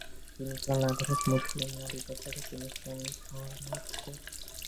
তিনি ছিলেন আধুনিক মুসলিম, নারীশিক্ষার ব্যাপারে তিনি ছিলেন সমর্থক।